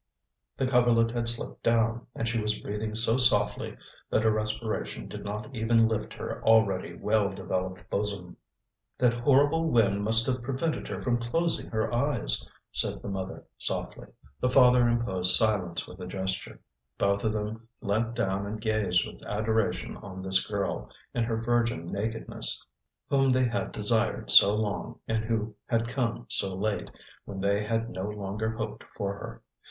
The coverlet had slipped down, and she was breathing so softly that her respiration did not even lift her already well developed bosom. "That horrible wind must have prevented her from closing her eyes," said the mother softly. The father imposed silence with a gesture. Both of them leant down and gazed with adoration on this girl, in her virgin nakedness, whom they had desired so long, and who had come so late, when they had no longer hoped for her.